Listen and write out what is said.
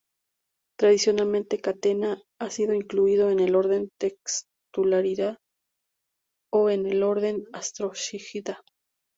Tradicionalmente "Catena" ha sido incluido en el orden Textulariida o en el orden Astrorhizida.